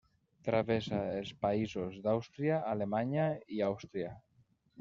Travessa els països d'Àustria, Alemanya i Àustria.